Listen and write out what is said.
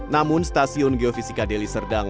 namun stasiun geofisika deli serdang